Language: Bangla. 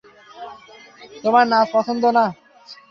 তোমার নাচ পছন্দ না?